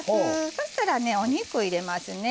そしたらお肉入れますね。